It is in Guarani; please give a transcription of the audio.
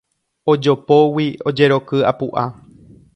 Ojopógui ojeroky apuʼa.